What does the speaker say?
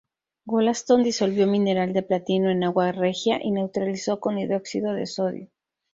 Wollaston disolvió mineral de platino en agua regia y neutralizó con hidróxido de sodio.